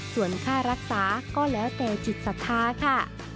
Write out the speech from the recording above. ส่วนค่ารักษาก็แล้วแต่จิตศรัทธาค่ะ